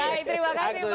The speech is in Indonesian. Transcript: baik terima kasih pak abu